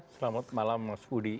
selamat malam mas budi